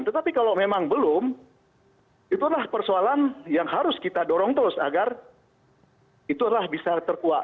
tetapi kalau memang belum itulah persoalan yang harus kita dorong terus agar itu adalah bisa terkuat